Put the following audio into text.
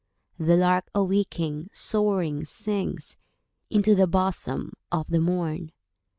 The lark, awaking, soaring sings Into the bosom of the morn.